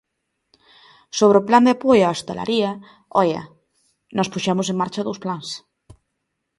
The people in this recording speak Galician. Sobre o plan de apoio á hostalaría, ¡oia!, nós puxemos en marcha dous plans.